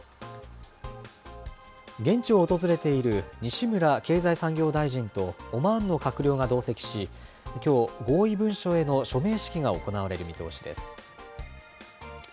現地を訪れている西村経済産業大臣とオマーンの閣僚が同席し、きょう、合意文書への署名式が行われる見通しです。